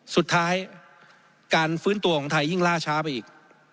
สุดท้ายการฟื้นตัวของไทยยิ่งล่าช้าไปอีก